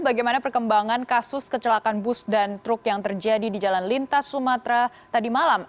bagaimana perkembangan kasus kecelakaan bus dan truk yang terjadi di jalan lintas sumatera tadi malam